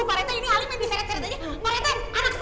pak rete anak saya pak rete